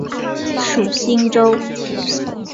属新州。